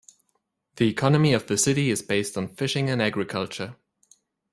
The economy of the city is based on fishing and agriculture.